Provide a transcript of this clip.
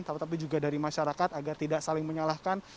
tetapi juga dari masyarakat agar tidak saling menyalahkan